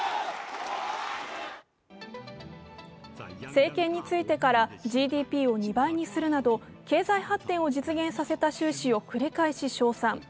政権についてからＧＤＰを２倍にするなど経済発展を実現させた習氏を繰り返し称賛。